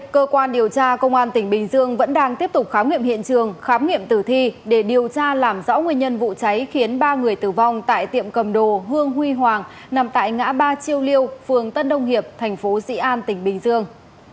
cơ quan điều tra công an tỉnh bình dương vẫn đang tiếp tục khám nghiệm hiện trường khám nghiệm tử thi để điều tra làm rõ nguyên nhân vụ cháy khiến ba người tử vong tại tiệm cầm đồ hương huy hoàng nằm tại ngã ba chiêu liêu phường tân đông hiệp thành phố dị an tỉnh bình dương